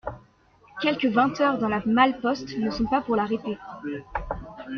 Quelque vingt heures dans la malle-poste ne sont pas pour l'arrêter.